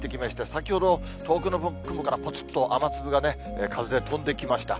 先ほど、遠くの雲からぽつっと雨粒がね、風で飛んできました。